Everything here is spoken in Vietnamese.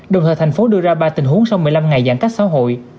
đồng thời thành phố đưa ra ba tình huống sau một mươi năm ngày giãn cách xã hội